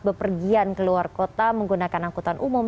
bepergian ke luar kota menggunakan angkutan umum